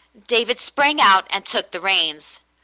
David sprang out and took the reins.